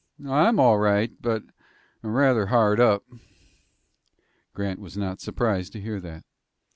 "I'm all right, but I'm rather hard up." Grant was not surprised to hear that.